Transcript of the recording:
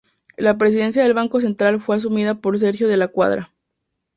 La presidencia del Banco Central fue asumida por Sergio de la Cuadra.